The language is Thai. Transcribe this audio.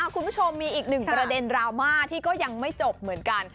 คุณผู้ชมมีอีกหนึ่งประเด็นดราม่าที่ก็ยังไม่จบเหมือนกัน